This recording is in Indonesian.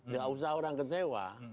tidak usah orang kecewa